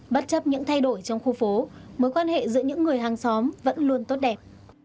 bất chấp những thay đổi trong khu phố mối quan hệ giữa những người hàng xóm vẫn luôn tốt đẹp